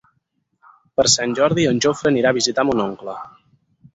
Per Sant Jordi en Jofre anirà a visitar mon oncle.